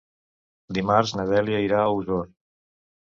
Dimarts na Dèlia irà a Osor.